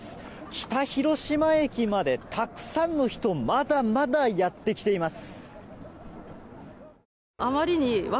北広島駅までたくさんの人まだまだやって来ています。